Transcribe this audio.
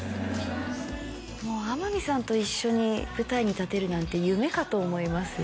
もう天海さんと一緒に舞台に立てるなんて夢かと思いますよ